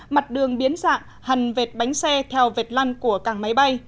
mặt đường biến dạng hằn vệt bánh xe theo vệt lăn của càng máy bay